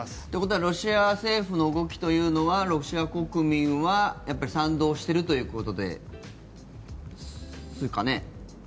ということはロシア政府の動きというのはロシア国民は賛同しているということですかね？